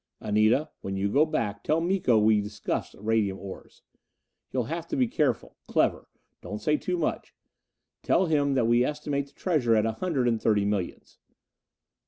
"Anita, when you go back, tell Miko we discussed radium ores. You'll have to be careful, clever. Don't say too much. Tell him we estimate the treasure at a hundred and thirty millions."